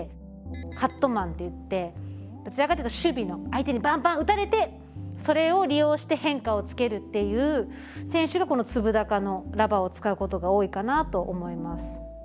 カットマンっていってどちらかというと守備の相手にバンバン打たれてそれを利用して変化をつけるっていう選手がこの粒高のラバーを使うことが多いかなと思います。